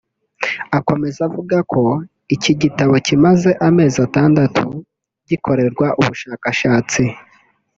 Akomeza avuga ko iki gitabo kimaze amezi atandatu gikorerwa ubushakashatsi